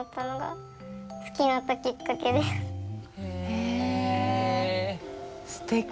へえすてき。